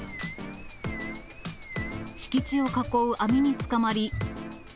敷地を囲う網につかまり。